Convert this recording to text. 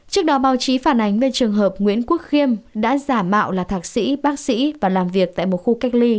trước đó báo chí phản ánh về trường hợp nguyễn quốc khiêm đã giả mạo là thạc sĩ bác sĩ và làm việc tại một khu cách ly